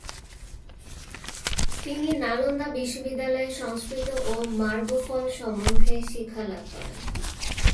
তিনি নালন্দা বিশ্ববিদ্যালয়ে সংস্কৃত ও মার্গফল সম্বন্ধে শিক্ষালাভ করেন।